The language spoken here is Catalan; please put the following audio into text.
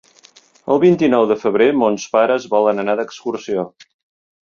El vint-i-nou de febrer mons pares volen anar d'excursió.